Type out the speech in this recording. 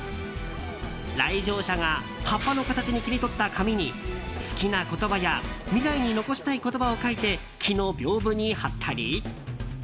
来場者が葉っぱの形に切り取った紙に好きな言葉や未来に残したい言葉を書いて木のびょうぶに貼ったり。